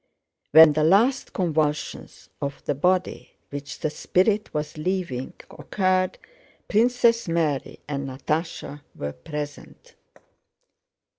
When the last convulsions of the body, which the spirit was leaving, occurred, Princess Mary and Natásha were present.